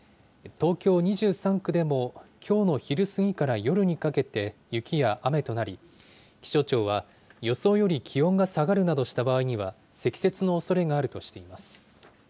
東京２３区でもきょうの昼過ぎから夜にかけて、雪や雨となり、気象庁は、予想より気温が下がるなどした場合には、積雪のおそれがあるとしています。